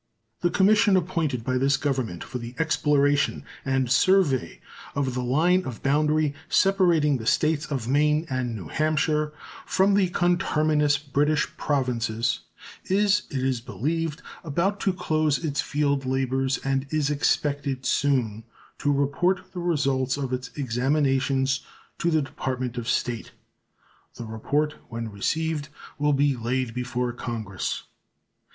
The commission appointed by this Government for the exploration and survey of the line of boundary separating the States of Maine and New Hampshire from the conterminous British Provinces is, it is believed, about to close its field labors and is expected soon to report the results of its examinations to the Department of State. The report, when received, will be laid before Congress.